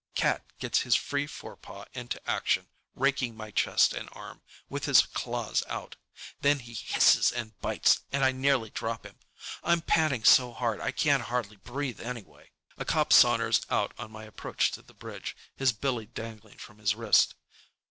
Cat gets his free forepaw into action, raking my chest and arm, with his claws out. Then he hisses and bites, and I nearly drop him. I'm panting so hard I can't hardly breathe anyway. A cop saunters out on my approach to the bridge, his billy dangling from his wrist.